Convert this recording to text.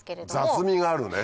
雑味があるね。